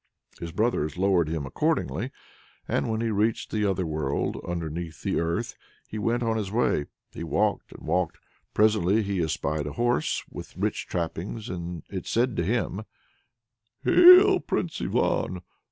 His brothers lowered him accordingly, and when he had reached the other world, underneath the earth, he went on his way. He walked and walked. Presently he espied a horse with rich trappings, and it said to him: "Hail, Prince Ivan!